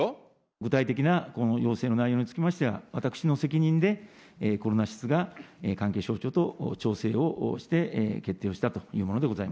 具体的な要請の内容につきましては、私の責任で、コロナ室が関係省庁と調整をして決定をしたというものでござい